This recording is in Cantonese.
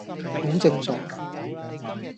好正常